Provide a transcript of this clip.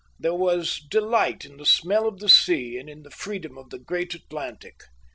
There was delight in the smell of the sea and in the freedom of the great Atlantic.